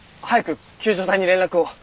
早く救助隊に連絡を！